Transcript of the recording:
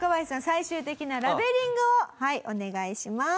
最終的なラベリングをお願いします。